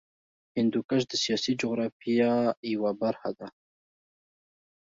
هندوکش د سیاسي جغرافیه یوه برخه ده.